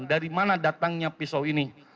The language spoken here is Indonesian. dari mana datangnya pisau ini